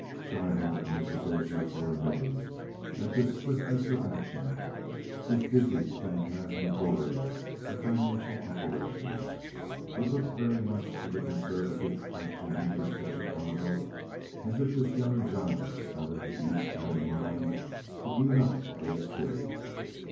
Schryhart and his associates were amazed at this swiftness of action, this dizzy phantasmagoria of financial operations. It looked very much to the conservative traction interests of Chicago as if this young giant out of the East had it in mind to eat up the whole city.